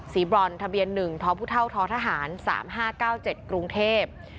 สีบรอนด์ทะเบียน๑ท้อผู้เท่าท้อทหาร๓๕๙๗กรุงเทพฯ